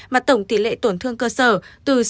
mà tổng tỷ lệ tổn thương cơ sở từ sáu mươi